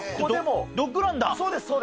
ドッグランだ。